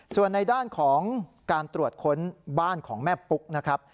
ส่วนในด้านของการตรวจค้นบ้านของแม่ปุ๊กนะครับ